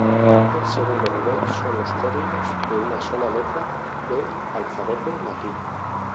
El segundo nivel son los códigos de una sola letra del alfabeto latino.